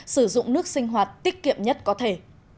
sử dụng nước sinh hoạt tiết kiệm nhất có thể